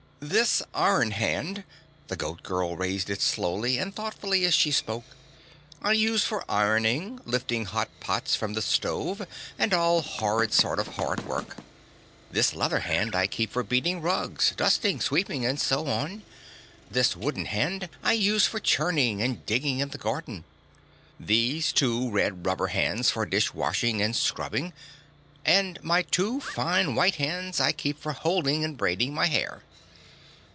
This iron hand " the Goat Girl raised it slowly and thoughtfully as she spoke, "I use for ironing, lifting hot pots from the stove and all horrid sort of hard work; this leather hand I keep for beating rugs, dusting, sweeping, and so on; this wooden hand I use for churning and digging in the garden; these two red rubber hands for dishwashing and scrubbing, and my two fine white hands I keep for holding and braiding my hair."